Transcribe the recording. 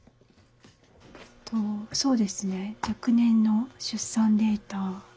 そうですね若年の出産データ。